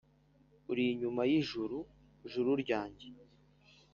uri inyuma y’ijuru, juru ryanjye,